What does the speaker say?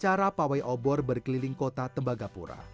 cara pawai obor berkeliling kota tembagapura